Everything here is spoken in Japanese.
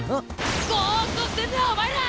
ボッとしてんなお前ら！